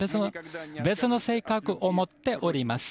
別の性格を持っています。